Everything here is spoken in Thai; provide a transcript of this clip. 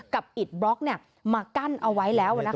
กับอิดบล็อกเนี่ยมากั้นเอาไว้แล้วนะคะ